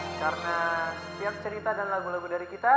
karena setiap cerita dan lagu lagu dari kita